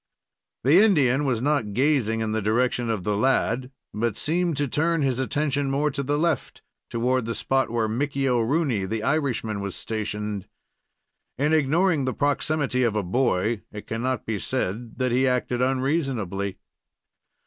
The Indian was not gazing in the direction of the lad, but seemed to turn his attention more to the left, toward the spot where Mickey O'Rooney, the Irishman, was stationed. In ignoring the proximity of a boy, it cannot be said that he acted unreasonably.